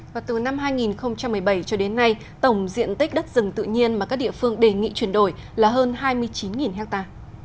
và từ năm hai nghìn một mươi bảy cho đến nay tổng diện tích đất rừng tự nhiên mà các địa phương đề nghị chuyển đổi là hơn hai mươi chín ha